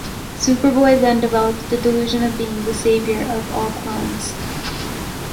Superboy then develops the delusion of being the savior of all clones.